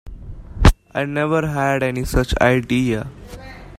I never had any such idea.